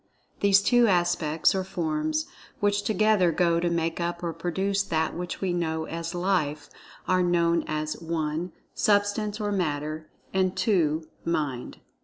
These two aspects or forms, which together go to make up or produce that which we know as "Life," are known as (1) Substance or Matter; and (2) Mind.